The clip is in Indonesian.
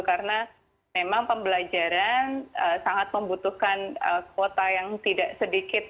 karena memang pembelajaran sangat membutuhkan kuota yang tidak sedikit